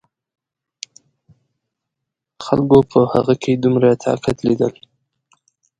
خلکو په هغه کې دومره طاقت لیدل.